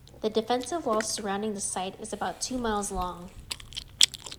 The defensive wall surrounding the site is about two miles long.